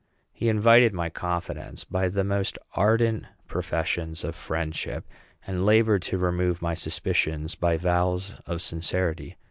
He invited my confidence by the most ardent professions of friendship, and labored to remove my suspicions by vows of sincerity.